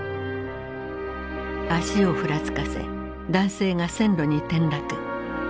足をふらつかせ男性が線路に転落。